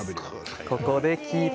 ここでキープ。